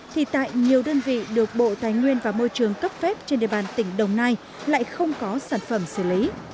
thì tại nhiều đơn vị được bộ tài nguyên và môi trường cấp phép trên địa bàn tỉnh đồng nai lại không có sản phẩm xử lý